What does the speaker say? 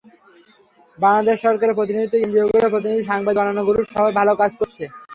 বাংলাদেশ সরকারের প্রতিনিধি, এনজিওগুলোর প্রতিনিধি, সাংবাদিক, অন্যান্য গ্রুপ সবাই ভালো কাজ করেছে।